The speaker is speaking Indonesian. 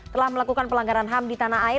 telah melakukan pelanggaran ham di tanah air